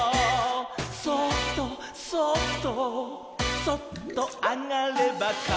「そっとそっとそっとあがればからだの」